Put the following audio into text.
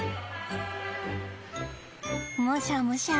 むしゃむしゃ。